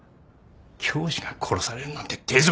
教師が殺されるなんて低俗な！